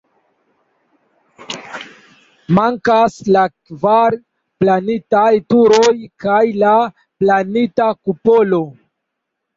Mankas la kvar planitaj turoj kaj la planita kupolo.